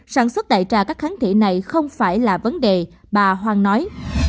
sản xuất đại trà các kháng thể này không phải là vấn đề bà hoàng nói